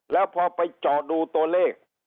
แล้วพอไปเจาะดูตัวเลข